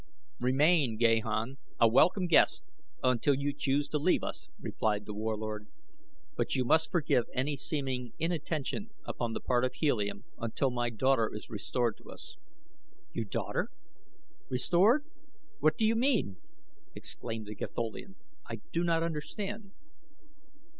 "Remain, Gahan, a welcome guest until you choose to leave us," replied The Warlord; "but you must forgive any seeming inattention upon the part of Helium until my daughter is restored to us." "You daughter! Restored! What do you mean?" exclaimed the Gatholian. "I do not understand."